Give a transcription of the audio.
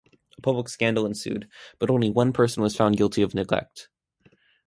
A public scandal ensued but only one person was found guilty of neglect.